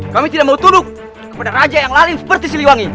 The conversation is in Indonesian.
kami tidak mau tuduh kepada raja yang lain seperti siliwangi